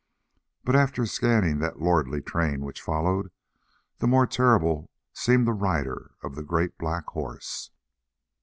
But after scanning that lordly train which followed, the more terrible seemed the rider of the great black horse.